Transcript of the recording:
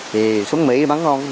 thì súng mỹ bắn ngon